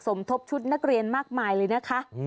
สมทบชุดนักเรียนมากมายเลยนะคะ